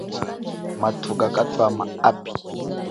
Mathuka katwama api.